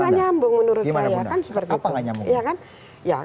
tidak nyambung menurut saya